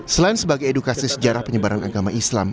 selain sebagai edukasi sejarah penyebaran agama islam